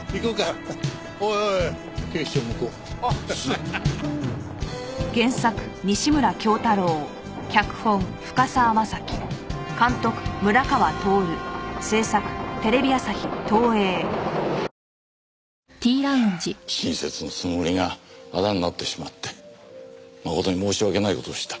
いや親切のつもりが仇になってしまって誠に申し訳ない事をした。